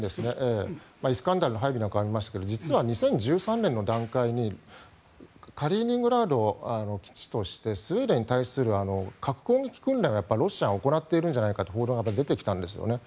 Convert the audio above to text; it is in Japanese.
イスカンデルの配備なんかありましたが実は２０１３年の段階でカリーニングラードを基地としてスウェーデンに対する核攻撃訓練を、ロシアが行っているんじゃないかという報道が出てきたんですね。